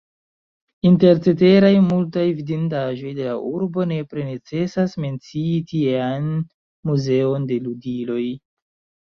Inter ceteraj multaj vidindaĵoj de la urbo nepre necesas mencii tiean muzeon de ludiloj.